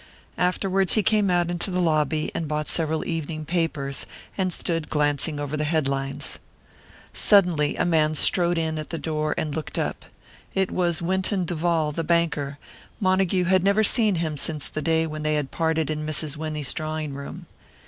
Afterwards he came out into the lobby, and bought several evening papers, and stood glancing over the head lines. Suddenly a man strode in at the door, and he looked up. It was Winton Duval, the banker; Montague had never seen him since the time when they had parted in Mrs. Winnie's drawing room.